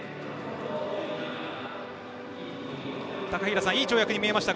高平さん、いい跳躍に見えました。